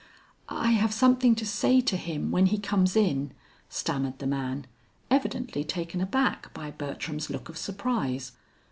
"I have something to say to him when he comes in," stammered the man, evidently taken aback by Bertram's look of surprise.